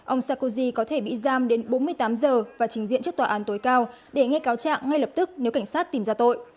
ông sarkozy có thể bị giam đến bốn mươi tám giờ và trình diện trước tòa án tối cao để nghe cáo trạng ngay lập tức nếu cảnh sát tìm ra tội